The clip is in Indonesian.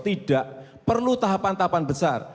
tidak perlu tahapan tahapan besar